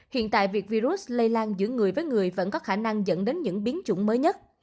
hiện tại việc virus lây lan giữa người với người vẫn có khả năng dẫn đến những biến chủng mới nhất